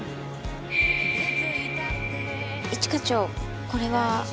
一課長これは？